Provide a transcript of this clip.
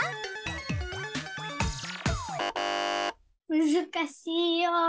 むずかしいよ。